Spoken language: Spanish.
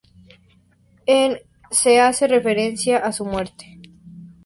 En se hace una referencia a su muerte.